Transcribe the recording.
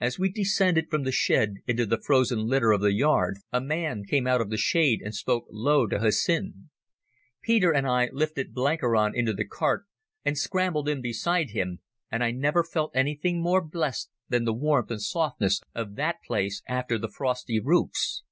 As we descended from the shed into the frozen litter of the yard, a man came out of the shade and spoke low to Hussin. Peter and I lifted Blenkiron into the cart, and scrambled in beside him, and I never felt anything more blessed than the warmth and softness of that place after the frosty roofs.